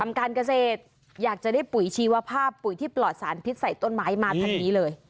การเกษตรอยากจะได้ปุ๋ยชีวภาพปุ๋ยที่ปลอดสารพิษใส่ต้นไม้มาทางนี้เลย